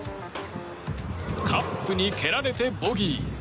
カップに蹴られてボギー。